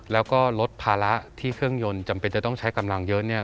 แล้วก็ลดภาระที่เครื่องยนต์จำเป็นจะต้องใช้กำลังเยอะ